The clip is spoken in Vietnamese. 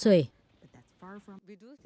chúng tôi phải làm việc ngay